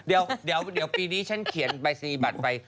เดี๋ยวปีนี้ฉันเขียนใบสนีบัตรไป